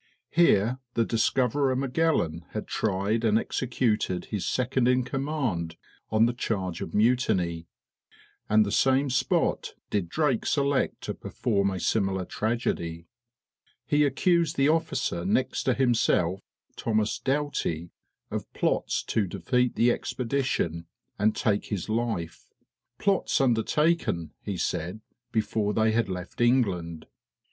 Here the discoverer Magellan had tried and executed his second in command on the charge of mutiny, and the same spot did Drake select to perform a similar tragedy. He accused the officer next to himself, Thomas Doughty, of plots to defeat the expedition and take his life; plots undertaken, he said, before they had left England.